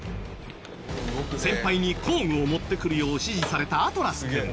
先輩に工具を持ってくるよう指示されたＡｔｌａｓ君。